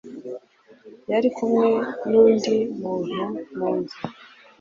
yari kumwe n undi muntu mu nzu